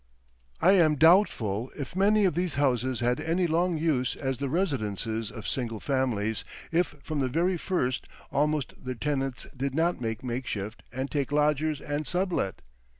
I am doubtful if many of these houses had any long use as the residences of single families if from the very first almost their tenants did not makeshift and take lodgers and sublet.